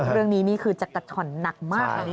เรื่องนี้คือจักรทรอนหนักมาก